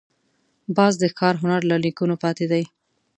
باز د ښکار هنر له نیکونو پاتې دی